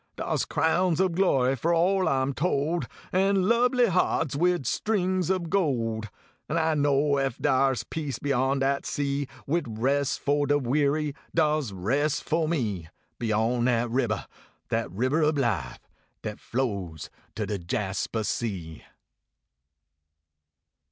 Dars crowns ob glory for all I m told, An lubly harps wid strings ob gold. An I know ef dars peace beyond dat sea, Wid res fo de weary, dars res fo me Beyond dat ribber, dat ribber ob life, Dat flows to de Jaspah Sea.